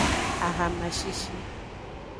Ahama shishi.